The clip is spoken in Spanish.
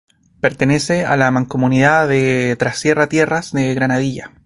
Pertenece a la mancomunidad de Trasierra-Tierras de Granadilla.